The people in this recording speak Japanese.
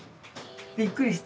びっくりした？